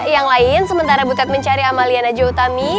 yang lain sementara butet mencari amalia najwa utami